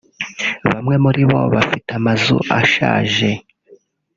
Bamwe muri bo bafite amazu ashaje